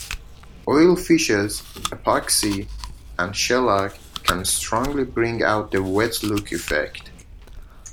Oil finishes, epoxy, and shellac can strongly bring out the "wet look" effect.